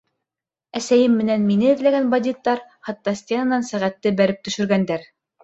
Әсәйем менән мине эҙләгән бандиттар хатта стенанан сәғәтте бәреп төшөргәндәр.